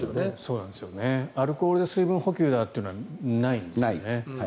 アルコールで水分補給だというのはないんですね。